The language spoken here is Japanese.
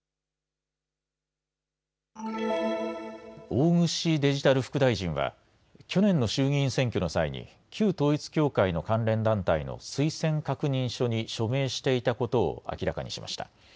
大串デジタル副大臣は去年の衆議院選挙の際に旧統一教会の関連団体の推薦確認書に署名していたことを明らかにしました。